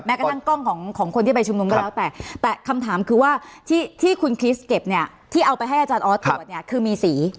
กระทั่งกล้องของคนที่ไปชุมนุมก็แล้วแต่แต่คำถามคือว่าที่คุณคริสเก็บเนี่ยที่เอาไปให้อาจารย์ออสตรวจเนี่ยคือมีสี